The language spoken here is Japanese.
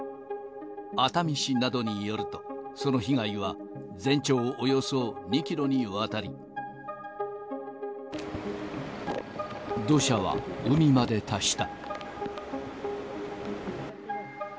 熱海市などによると、その被害は、全長およそ２キロにわたり、土砂は海まで達した。